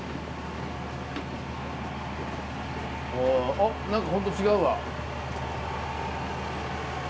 お何かホント違うわ。